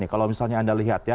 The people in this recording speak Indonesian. kalau misalnya anda lihat ya